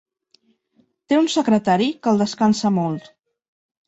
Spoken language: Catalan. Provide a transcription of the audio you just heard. Té un secretari que el descansa molt.